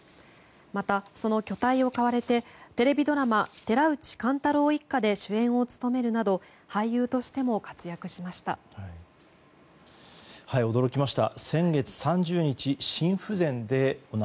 また、その巨体を買われてテレビドラマ「寺内貫太郎一家」で主演を務めるなど俳優としても活躍しました。